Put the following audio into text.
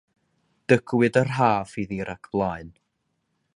Dygwyd y rhaff iddi rhag blaen.